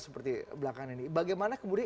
seperti belakangan ini bagaimana kemudian